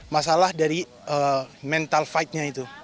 masalah dari mental fight nya itu